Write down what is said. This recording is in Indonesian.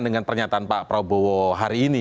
dengan pernyataan pak prabowo hari ini